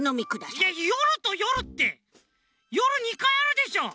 いや「よるとよる」ってよる２かいあるでしょ！